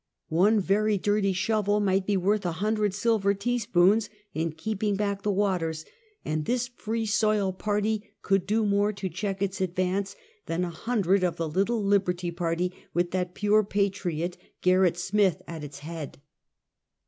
One very dirty shovel might be worth a hundred silver teaspoons in keeping back the waters, and this Free Soil party could do more to check its advance than a hundred of the little Liberty Party with that pure patriot, Gerrit Smith, at its head.